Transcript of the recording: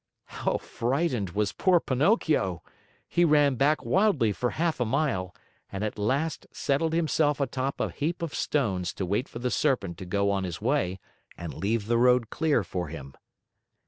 How frightened was poor Pinocchio! He ran back wildly for half a mile, and at last settled himself atop a heap of stones to wait for the Serpent to go on his way and leave the road clear for him.